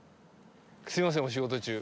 すみませんお仕事中。